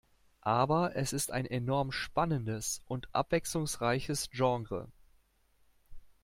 Aber es ist ein enorm spannendes und abwechslungsreiches Genre.